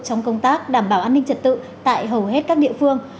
trong công tác đảm bảo an ninh trật tự tại hầu hết các địa phương